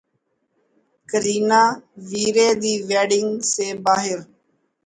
Kareena Veere Di wedding سے باہر